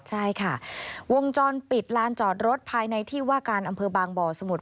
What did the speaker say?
ใช่ค่ะวงจรปิดลานจอดรถภายในที่ว่าการอำเภอบางบ่อสมุทร